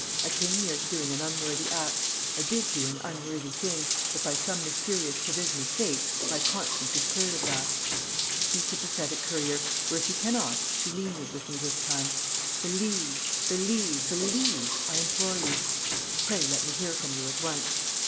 I came near to doing an unworthy act; I did do an unworthy thing, but by some mysterious provision of fate my conscience is cleared of that. Be sympathetic Currier, or, if you cannot, be lenient with me this time. Believe, believe, believe, I implore you. Pray let me hear from you at once.